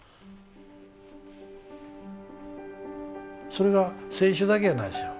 それが選手だけやないですよ。